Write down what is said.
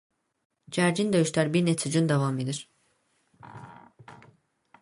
Gərgin döyüşlər bir neçə gün davam edir.